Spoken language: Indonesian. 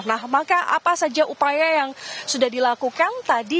nah maka apa saja upaya yang sudah dilakukan tadi